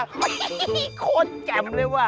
โคตรแจมเลยวะ